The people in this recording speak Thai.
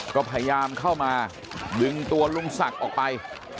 ก็พยายามเข้ามาดึงตัวลุงศักดิ์ออกไป